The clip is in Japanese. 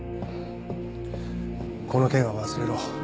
この件は忘れろ。